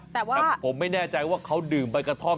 แต่ว่าแต่ผมไม่แน่ใจว่าเขาดื่มใบกระท่อม